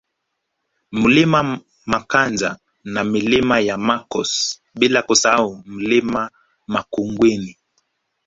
Mlima Makanja na Milima ya Makos bila kusahau Mlima Makungwini